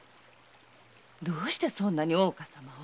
どうしてそんなに大岡様を？